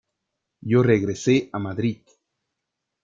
Yo regresé a madrid.